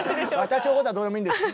私のことはどうでもいいんです！